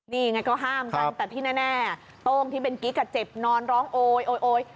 นี่ไงก็ห้ามกันแต่ที่แน่โต้งที่เป็นกิ๊กเจ็บนอนร้องโอ๊ยโอ๊ย